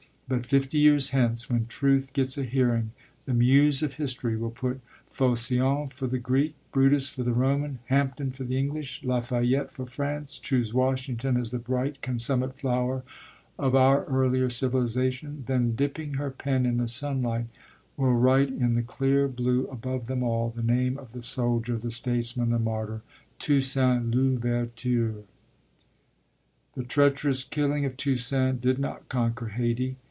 But fifty years hence, when Truth gets a hearing, the Muse of history will put Phocion for the Greek, Brutus for the Roman, Hampden for the English, La Fayette for France, choose Washington as the bright consummate flower of our earlier civilization, then, dipping her pen in the sunlight, will write in the clear blue, above them all, the name of the soldier, the statesman, the martyr, Toussaint L'Ouverture." The treacherous killing of Toussaint did not conquer Hayti.